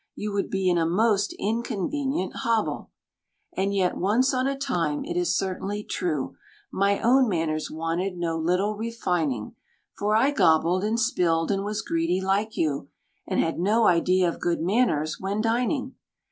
You would be in a most inconvenient hobble. And yet, once on a time it is certainly true, My own manners wanted no little refining; For I gobbled, and spilled, and was greedy like you, And had no idea of good manners when dining.